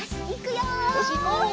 よしいこう！